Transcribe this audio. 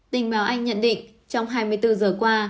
tình báo anh nhận định trong hai mươi bốn giờ qua